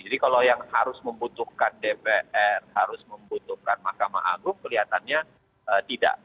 jadi kalau yang harus membutuhkan dpr harus membutuhkan mahkamah agung kelihatannya tidak